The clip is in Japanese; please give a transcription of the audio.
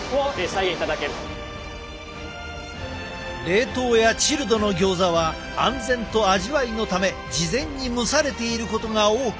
冷凍やチルドのギョーザは安全と味わいのため事前に蒸されていることが多く。